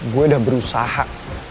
gue udah berusaha